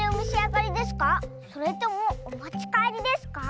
それともおもちかえりですか？